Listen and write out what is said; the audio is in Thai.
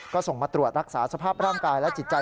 ก็ส่งมาตรวจรักษาสภาพร่างกายและจิตใจ